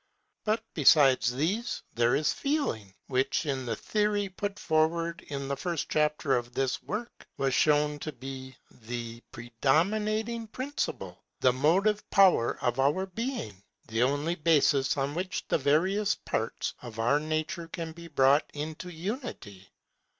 But besides these there is Feeling, which, in the theory put forward in the first chapter of this work, was shown to be the predominating principle, the motive power of our being, the only basis on which the various parts of our nature can be brought into unity.